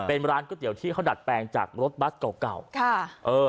เป็นร้านก๋วยเตี๋ยวที่เขาดัดแปลงจากรถบัสเก่าเก่าค่ะเออ